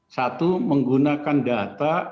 satu menggunakan data untuk mencuri mangga